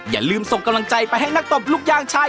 อย่าลืมส่งกำลังใจไปให้นักตบลูกยางชาย